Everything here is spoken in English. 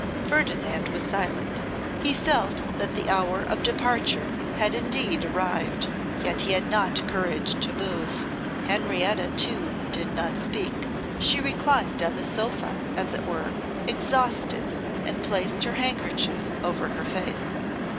Ferdinand was silent. He felt that the hour of departure had indeed arrived, yet he had not courage to move. Henrietta, too, did not speak. She reclined on the sofa, as it were, exhausted, and placed her handkerchief over her face.